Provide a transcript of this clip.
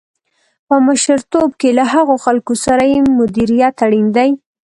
په مشرتوب کې له هغو خلکو سره یې مديريت اړين دی.